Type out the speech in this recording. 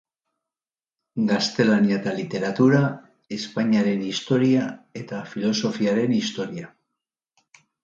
Gaztelania eta Literatura, Espainaren Historia eta Filosofiaren Historia.